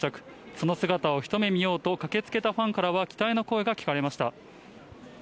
その姿を一目見ようと駆けつけたファンからは、期待の声が聞かれました。